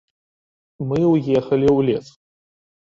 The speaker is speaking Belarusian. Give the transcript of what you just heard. Мы ўехалі ў лес.